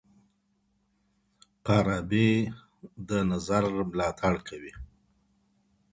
فارابي دا نظر ملاتړ کوي.